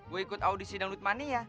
gue ikut audisi dangdut mania